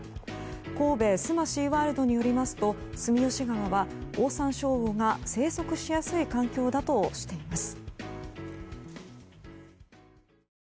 神戸須磨シーワールドによりますと住吉川はオオサンショウウオが生息しやすい環境だとしています。